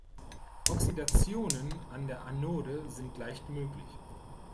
Oxidationen an der Anode sind leicht möglich.